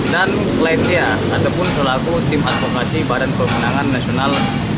dan kliennya ataupun seolahku tim handpokasi badan pemenangan nasional